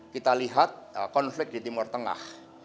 kita lihat konflik di timur tengah